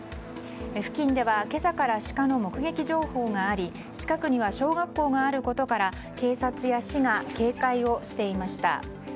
付近では、今朝からシカの目撃情報があり近くには小学校があることから警察や市が警戒をしていました。